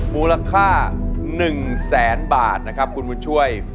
มูลค่า๑แสนบาทนะครับคุณบุญช่วย